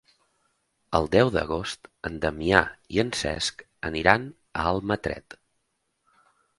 El deu d'agost en Damià i en Cesc aniran a Almatret.